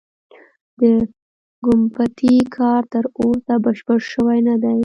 د ګومبتې کار تر اوسه بشپړ شوی نه دی.